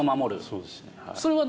そうです。